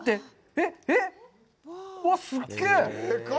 えっえっ、わっ、すっげえ。